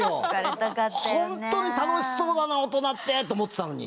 本当に楽しそうだな大人ってと思ってたのに。